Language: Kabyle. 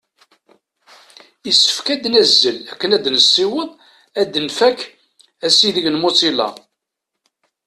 Issefk ad nazzel akken ad nessiweḍ ad nfak asideg n Mozilla.